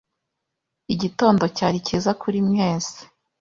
igitondo cyari kiza kuri mwese